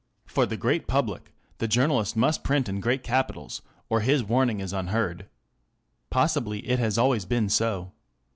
For the great public the journalist must print in great capitals, or his warning is unheard. Possibly it has always been so.